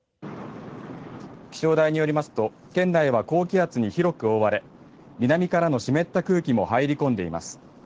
気象台によりますと県内は、高気圧に広く覆われ南からの湿った空気も入り込んでいます。